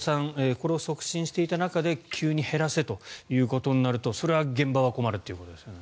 これを促進していた中で急に減らせとなるとそれは現場は困るということですよね。